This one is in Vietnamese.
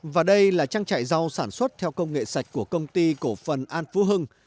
và đây là trang trại rau sản xuất theo công nghệ sạch của công ty cổ phần an phú hưng